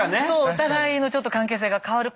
お互いのちょっと関係性が変わるかもしれない。